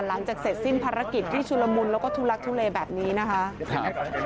หลังจากเสร็จสิ้นภารกิจที่ชุลมุนแล้วก็ทุลักทุเลแบบนี้นะคะ